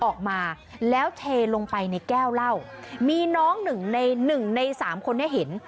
ออกมาแล้วเทลงไปในแก้วเหล้ามีน้องหนึ่งในหนึ่งในสามคนนี้เห็น